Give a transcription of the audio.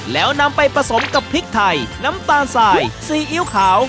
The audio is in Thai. แล้วนำไปผสมกับพริกไทยน้ำตาลสายซีอิ๊วขาว